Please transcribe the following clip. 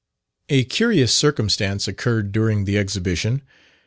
A curious circumstance occurred during the Exhibition.